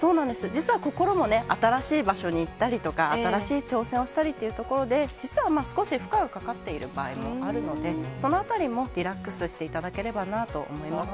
実は心もね、新しい場所に行ったりとか、新しい挑戦をしたりというところで、実は少し負荷がかかっている場合もあるので、そのあたりもリラックスしていただければなと思いました。